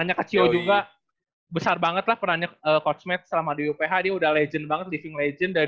nanya ke cio juga besar banget lah perannya coach matt selama di uph dia udah legend banget living legend dari dua ribu empat